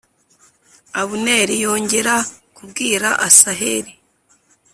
Abuneri yongera kubwira Asaheli